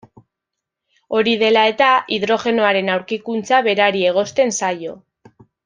Hori dela-eta, hidrogenoaren aurkikuntza berari egozten zaio.